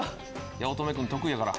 八乙女君得意やから。